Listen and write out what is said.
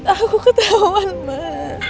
aku ketauan mah